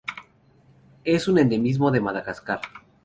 Es un endemismo de Madagascar.